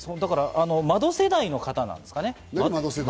窓世代の方なんですかね。